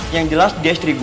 yang jelas dia istri gue